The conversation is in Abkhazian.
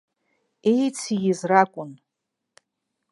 Иеициз ракәын.